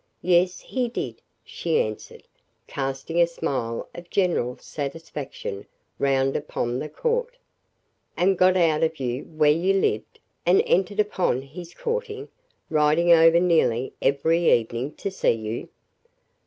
"Yes, he did," she answered, casting a smile of general satisfaction round upon the court. "And got out of you where you lived, and entered upon his courting, riding over nearly every evening to see you?"